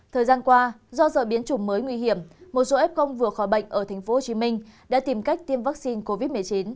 thời gian qua do giờ biến chủng mới nguy hiểm một số f công vừa khỏi bệnh ở tp hcm đã tìm cách tiêm vaccine covid một mươi chín